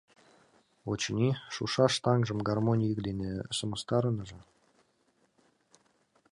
Очыни, шушаш таҥжым гармонь йӱк дене сымыстарынеже.